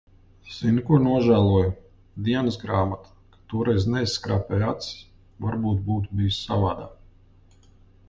Zini, ko nožēloju, dienasgrāmata, ka toreiz neizskrāpēju acis, varbūt būtu bijis savādāk.